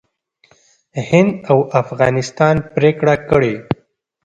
هند او افغانستان پرېکړه کړې